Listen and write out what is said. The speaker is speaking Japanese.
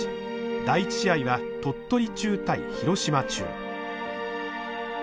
第１試合は鳥取中対廣島中。